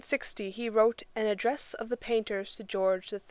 In 1760 he wrote _An Address of the Painters to George III.